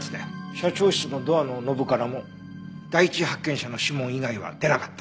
社長室のドアのノブからも第一発見者の指紋以外は出なかった。